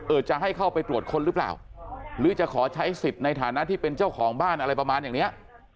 จะให้เข้าไปตรวจค้นหรือเปล่าหรือจะขอใช้สิทธิ์ในฐานะที่เป็นเจ้าของบ้านอะไรประมาณอย่างเนี้ย